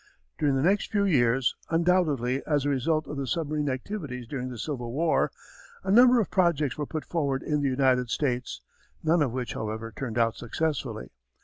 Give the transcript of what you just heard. During the next few years, undoubtedly as a result of the submarine activities during the Civil War, a number of projects were put forward in the United States, none of which, however, turned out successfully.